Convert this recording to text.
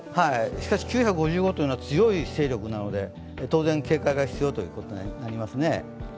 しかし９５５というのは強い勢力なので、当然警戒が必要となります。